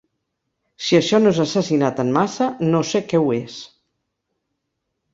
Si això no és assassinat en massa, no sé què ho és.